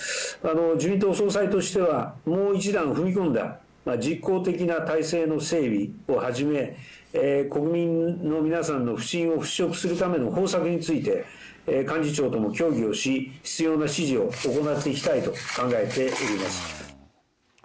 自民党総裁としてはもう一段踏み込んだ、実効的な体制の整備をはじめ、国民の皆さんの不信を払拭するための方策について、幹事長とも協議をし、必要な指示を行っていきたいと考えております。